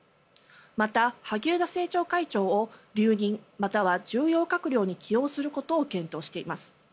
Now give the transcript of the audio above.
また萩生田政調会長を留任または重要閣僚に起用することを検討しています。